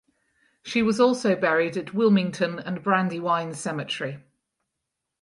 She was also buried at Wilmington and Brandywine Cemetery.